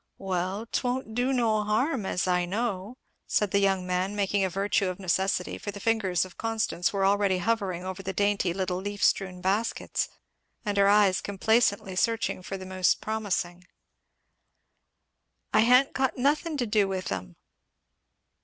"Well, 'twon't deu no harm, as I know," said the young man making a virtue of necessity, for the fingers of Constance were already hovering over the dainty little leaf strewn baskets and her eyes complacently searching for the most promising; "I ha'n't got nothin' to deu with 'em."